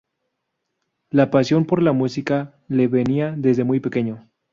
La pasión por la música le venía desde muy pequeño.